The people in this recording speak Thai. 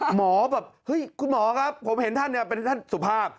แบบเฮ้ยคุณหมอครับผมเห็นท่านเนี่ยเป็นท่านสุภาพ